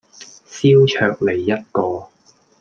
燒鵲脷一個